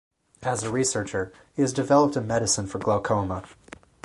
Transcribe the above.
As a researcher he has developed a medicine for glaucoma.